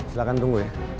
silahkan tunggu ya